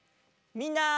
みんな！